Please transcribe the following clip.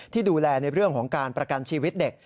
ที่ดูแลในเรื่องของการประกันชีวิตเด็ก